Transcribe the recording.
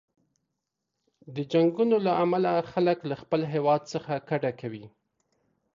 د جنګونو له امله خلک له خپل هیواد څخه کډه کوي.